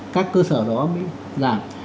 các cơ sở đó mới giảm